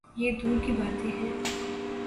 یہ دور کی باتیں ہیں۔